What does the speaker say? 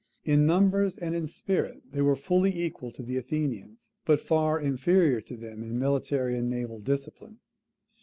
In numbers and in spirit they were fully equal to the Athenians, but far inferior to them in military and naval discipline.